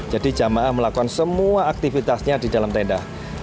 jadi jemaah melakukan semua aktivitasnya di dalam tenda